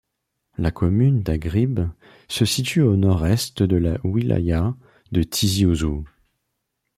La commune d'Aghribs se situe au nord-est de la wilaya de Tizi Ouzou.